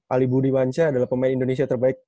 ali budi mansyah adalah pemain indonesia terbaik